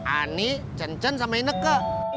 ani cen cen sama ineke